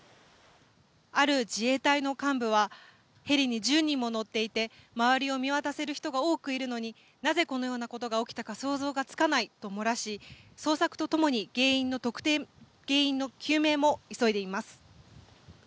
ある自衛隊の幹部はヘリに１０人も乗っていて周りを見渡せる人が多くいるのになぜこのようなことが起きたか想像がつかないと漏らし捜索とともに原因の究明も急いでいます。